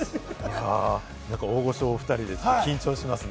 大御所お２人で緊張しますね。